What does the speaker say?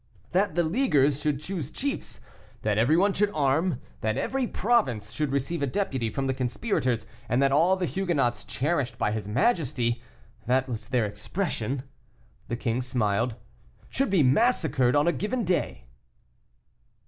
"That the Leaguers should choose chiefs, that every one should arm, that every province should receive a deputy from the conspirators, and that all the Huguenots cherished by his majesty (that was their expression) " The king smiled. "Should be massacred on a given day."